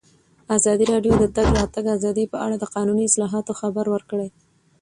ازادي راډیو د د تګ راتګ ازادي په اړه د قانوني اصلاحاتو خبر ورکړی.